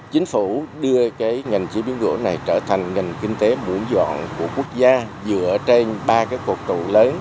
chính phủ đưa cái ngành chế biến gỗ này trở thành ngành kinh tế bủ dọn của quốc gia dựa trên ba cái cột trụ lớn